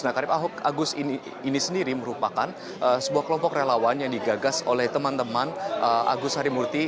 nah karip ahok agus ini sendiri merupakan sebuah kelompok relawan yang digagas oleh teman teman agus harimurti